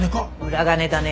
裏金だね。